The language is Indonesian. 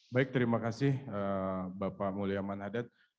baik terima kasih bapak muliaman hadad